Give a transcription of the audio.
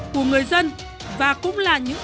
của người dân và cũng là những